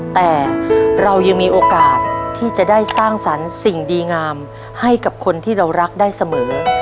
แต่เรายังมีโอกาสที่จะได้สร้างสรรค์สิ่งดีงามให้กับคนที่เรารักได้เสมอ